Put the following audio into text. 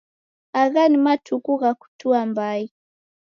Agha ni matuku gha kutua mbai